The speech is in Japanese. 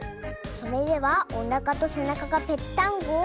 それでは「おなかとせなかがぺっタンゴ」を。